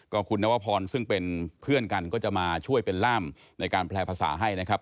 คุณนวพรซึ่งเป็นเพื่อนกันก็จะมาช่วยเป็นล่ามในการแปลภาษาให้นะครับ